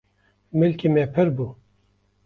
milkê me pirbû